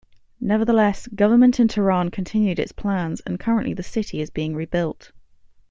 Nevertheless, government in Tehran continued its plans and currently the city is being rebuilt.